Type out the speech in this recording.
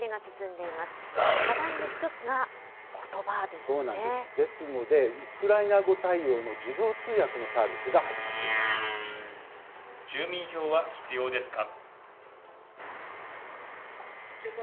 ですので、ウクライナ語対応の自動通訳のサービスが始まっていま住民票は必要ですか。